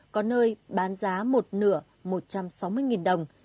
có nơi bán giá một nửa một trăm sáu mươi đồng